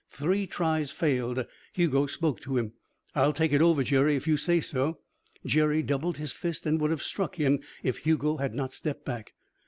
Three tries failed. Hugo spoke to him. "I'll take it over, Jerry, if you say so." Jerry doubled his fist and would have struck him if Hugo had not stepped back.